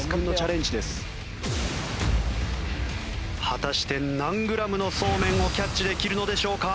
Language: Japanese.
果たして何グラムのそうめんをキャッチできるのでしょうか？